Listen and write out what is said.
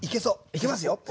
いきますよ。